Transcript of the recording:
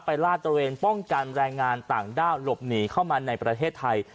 ลาดตระเวนป้องกันแรงงานต่างด้าวหลบหนีเข้ามาในประเทศไทย